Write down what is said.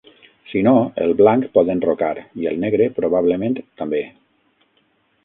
Si no, el blanc pot enrocar i el negre, probablement, també.